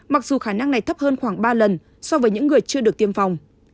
mặc dù khả năng này thấp hơn khoảng ba lần so với những người chưa được tiêm phòng